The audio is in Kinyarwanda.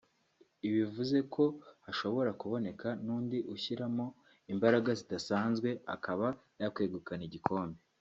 ibi bivuze ko hashobora kuboneka n’undi ushyiramo imbaraga zidasanzwe akaba yakwegukana igikombe